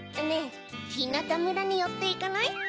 ねぇひなたむらによっていかない？